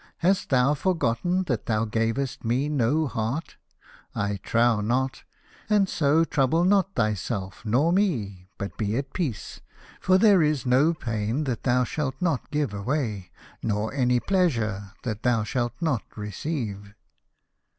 Hast thou forgotten that thou gavest me no heart ? I trow not. And so trouble not thyself nor me, but be at peace, for there is no pain that thou shalt not give away, nor any pleasure that thou shalt not receive."